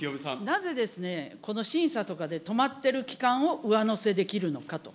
なぜですね、この審査とかで止まってる期間を上乗せできるのかと。